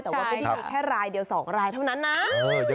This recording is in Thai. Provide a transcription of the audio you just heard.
แต่ว่าไม่ได้มีแค่รายเดียว๒รายเท่านั้นนะ